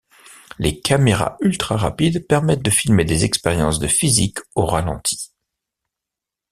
Les caméras ultra-rapide permettent de filmer des expériences de physique au ralenti.